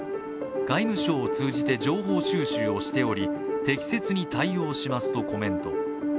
外務省を通じて情報収集をしており適切に対応しますとコメント。